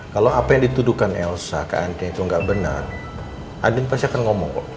kalau apa yang dituduhkan elsa ke antin itu nggak benar andin pasti akan ngomong kok